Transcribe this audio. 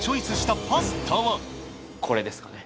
これですかね